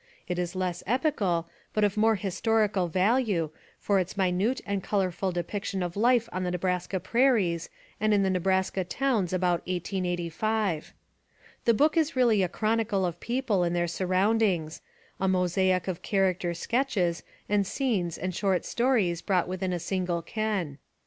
It is less epical but of more historical value for its minute and colorful depiction of life on the Nebraska prairies and in the Nebraska towns about 1885. The book is really a chronicle of people and their surroundings, a mosaic of character sketches and scenes and short stories brought within a single ken.